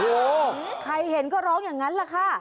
โอ้โหใครเห็นก็ร้องอย่างนั้นแหละค่ะ